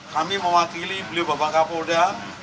kami mewakili beliau bapak kapolda